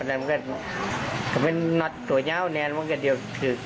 ทำให้น็อตตัวยาวแน่นวงกันเดียว